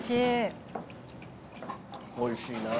おいしい。